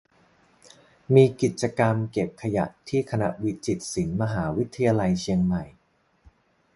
"มีกิจกรรม "เก็บขยะ" ที่คณะวิจิตรศิลป์ มหาวิทยาลัยเชียงใหม่"